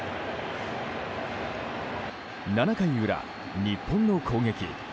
７回裏、日本の攻撃。